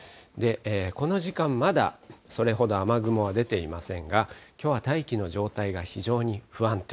この時間、まだそれほど雨雲は出ていませんが、きょうは大気の状態が非常に不安定。